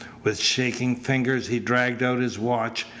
With shaking fingers he dragged out his watch.